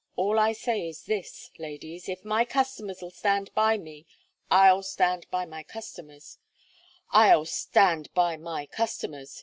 All I say is this: ladies, if my customers'll stand by me, I'll stand by my customers I'll stand by my customers!"